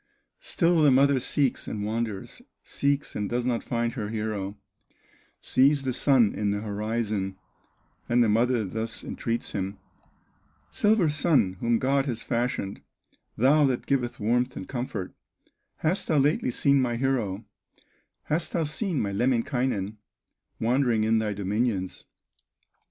Still the mother seeks, and wanders, Seeks, and does not find her hero; Sees the Sun in the horizon, And the mother thus entreats him: "Silver Sun, whom God has fashioned, Thou that giveth warmth and comfort, Hast thou lately seen my hero, Hast thou seen my Lemminkainen, Wandering in thy dominions?"